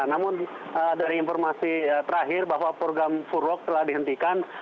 namun dari informasi terakhir bahwa program furlok telah dihentikan